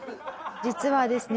実はですね